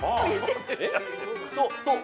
そうそう。